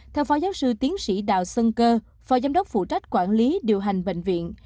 theo phó giáo sư tiến sĩ đào xuân cơ phó giám đốc phụ trách quản lý điều hành bệnh viện